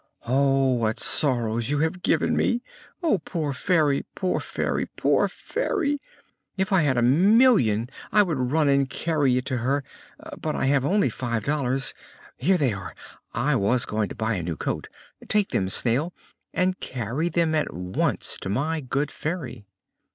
Oh, what sorrow you have given me! Oh, poor Fairy! Poor Fairy! Poor Fairy! If I had a million I would run and carry it to her, but I have only five dollars. Here they are I was going to buy a new coat. Take them, Snail, and carry them at once to my good Fairy."